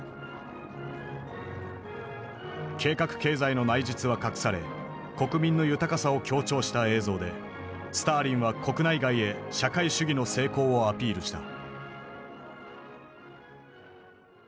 計画経済の内実は隠され国民の豊かさを強調した映像でスターリンは国内外へ社会主義の成功をアピールした。